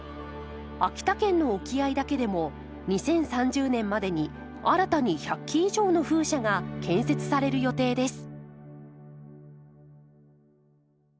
秋田県の沖合だけでも２０３０年までに新たに１００基以上の風車が建設される予定です。